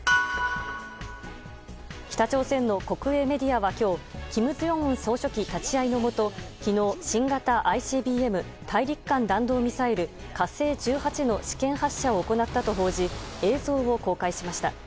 北朝鮮の国営メディアは今日金正恩総書記立ち会いのもと昨日、新型ＩＣＢＭ・大陸間弾道ミサイル「火星１８」の試験発射を行ったと報じ映像を公開しました。